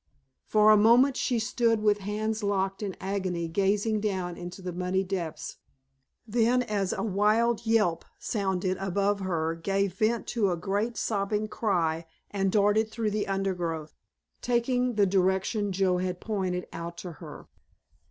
For a moment she stood with hands locked in agony gazing down into the muddy depths, then as a wild yelp sounded above her gave vent to a great sobbing cry and darted through the undergrowth, taking the direction Joe had pointed out to her.